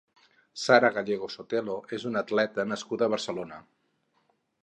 Sara Gallego Sotelo és una atleta nascuda a Barcelona.